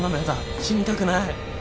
死にたくない。